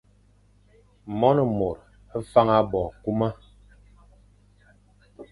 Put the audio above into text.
Mone mor faña bo kuma.